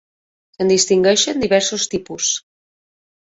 Se'n distingeixen diversos tipus.